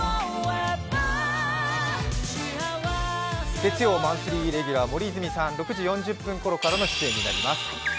月曜マンスリーレギュラー、森泉さん、６時４０分ごろからの出演になります。